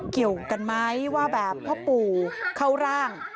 เกี่ยวกันไหมว่าแบบพ่อปู่เข้าร่าง